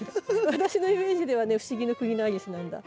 私のイメージではね「不思議の国のアリス」なんだ。